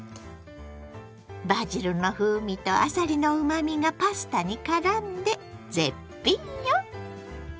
バジルの風味とあさりのうまみがパスタにからんで絶品よ！